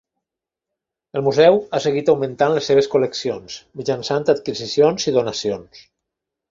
El museu ha seguit augmentant les seves col·leccions mitjançant adquisicions i donacions.